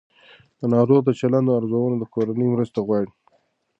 د ناروغ د چلند ارزونه د کورنۍ مرسته غواړي.